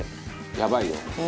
「やばいよ。